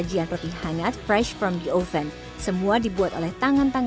kita sama sih sama aja